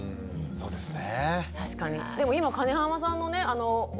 そうですね。